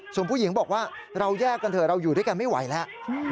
ส่วนผู้หญิงบอกว่าเราแยกกันเถอะเราอยู่ด้วยกันไม่ไหวแล้ว